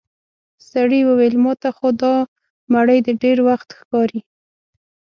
سړي وويل: ماته خو دا مړی د ډېر وخت ښکاري.